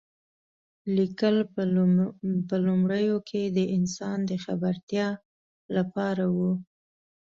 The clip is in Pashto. لیکل په لومړیو کې د انسان د خبرتیا لپاره و.